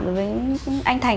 với anh thành